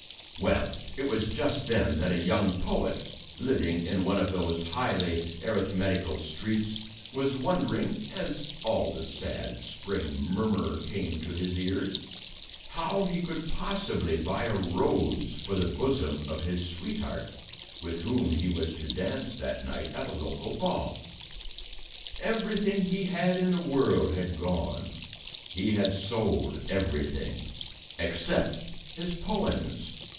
Well, it was just then that a young poet, living in one of those highly arithmetical streets, was wondering, as all the sad spring murmur came to his ears, how he could possibly buy a rose for the bosom of his sweetheart, with whom he was to dance that night at a local ball. Everything he had in the world had gone. He had sold everything except his poems.